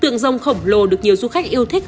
tượng rông khổng lồ được nhiều du khách yêu thích